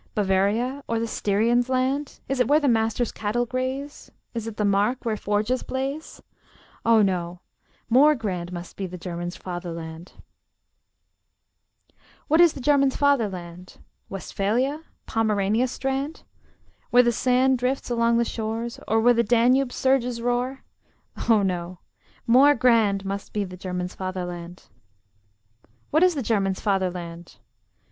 Bavaria, or the Styrian's land? Is it where the Master's cattle graze? Is it the Mark where forges blaze? Oh no! more grand Must be the German's fatherland! What is the German's fatherland? Westphalia? Pomerania's strand? Where the sand drifts along the shore? Or where the Danube's surges roar? Oh no! more grand Must be the German's fatherland! What is the German's fatherland?